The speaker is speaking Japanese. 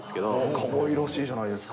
かわいらしいじゃないですか。